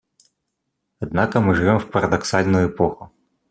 Однако мы живем в парадоксальную эпоху.